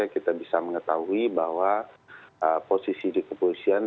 kita bisa mengetahui bahwa posisi di kepolisian